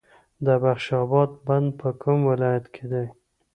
د بخش اباد بند په کوم ولایت کې دی؟